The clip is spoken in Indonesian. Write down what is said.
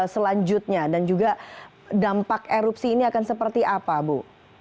selanjutnya dan juga dampak erupsi ini akan seperti apa bu